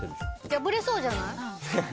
破れそうじゃない？